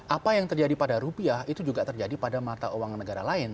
apa yang terjadi pada rupiah itu juga terjadi pada mata uang negara lain